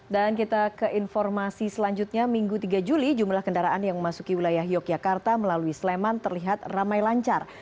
dan kita ke informasi selanjutnya minggu tiga juli jumlah kendaraan yang memasuki wilayah yogyakarta melalui sleman terlihat ramai lancar